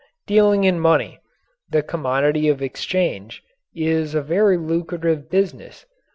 Dealing in money, the commodity of exchange, is a very lucrative business.